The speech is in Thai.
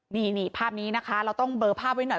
นี่ภาพนี้นะคะเราต้องเบอร์ภาพไว้หน่อย